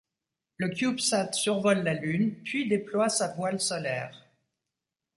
Le CubeSat survole la Lune puis déploie sa voile solaire.